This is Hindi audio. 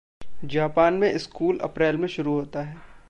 जापान में स्कूल अप्रैल में शुरू होता है।